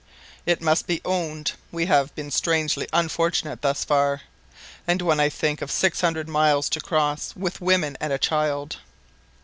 It must be owned, we have been strangely unfortunate thus far! And when I think of six hundred miles to cross with women and a child!"...